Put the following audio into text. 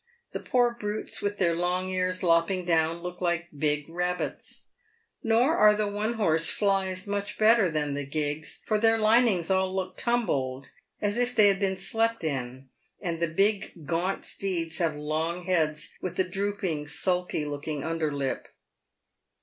The poor brutes, with their loug ears lopping down, look like big rabbits. Nor are the one horse fiys much better than the gigs, for their linings all look tumbled, as if they had been slept in, and the big gaunt steeds have long heads, with a drooping, sulky looking under lip.